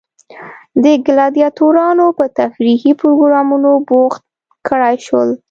د ګلادیاتورانو په تفریحي پروګرامونو بوخت کړای شول.